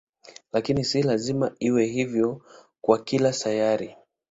Lakini si lazima iwe hivyo kwa kila sayari.